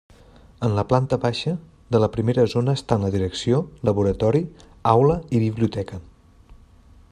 En la planta baixa, de la primera zona estan la direcció, laboratori, aula i biblioteca.